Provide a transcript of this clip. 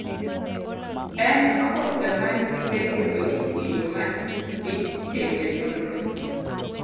En oboke man gi penjo ewi gigo ma itime nonro.